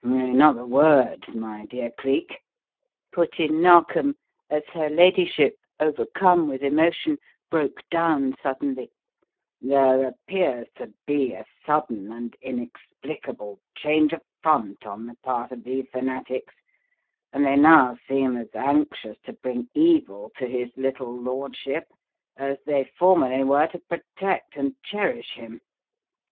"In other words, my dear Cleek," put in Narkom, as her ladyship, overcome with emotion, broke down suddenly, "there appears to be a sudden and inexplicable change of front on the part of these fanatics, and they now seem as anxious to bring evil to his little lordship as they formerly were to protect and cherish him.